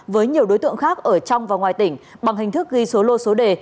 với nhiều đối tượng khác ở trong và ngoài tỉnh bằng hình thức ghi số lô số đề